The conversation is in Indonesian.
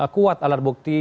kuat alat bukti